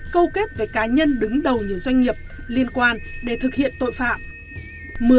câu kết với cá nhân đứng đầu nhiều doanh nghiệp liên quan để thực hiện tội phạm